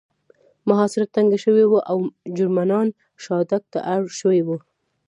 محاصره تنګه شوې وه او جرمنان شاتګ ته اړ شوي وو